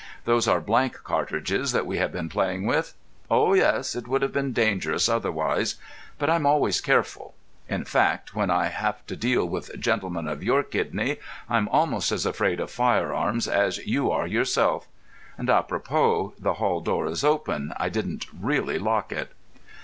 Those are blank cartridges that we have been playing with. Oh, yes, it would have been dangerous otherwise. But I'm always careful. In fact, when I have to deal with gentlemen of your kidney, I'm almost as afraid of firearms as you are yourself. And, à propos, the hall door is open I didn't really lock it."